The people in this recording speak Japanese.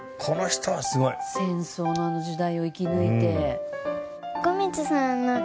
戦争のあの時代を生き抜いて。